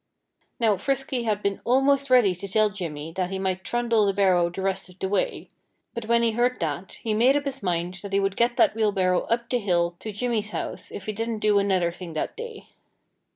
Now, Frisky had been almost ready to tell Jimmy that he might trundle the barrow the rest of the way. But when he heard that he made up his mind that he would get that wheelbarrow up the hill to Jimmy's house if he didn't do another thing that day.